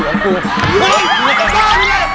ป้องกูนะคะ